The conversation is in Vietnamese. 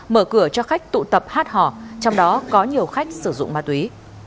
mở cửa cho khách tụ tập hát hò trong đó có nhiều khách sử dụng ma túy